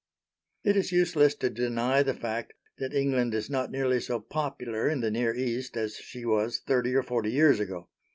It is useless to deny the fact that England is not nearly so popular in the Near East as she was thirty or forty years ago.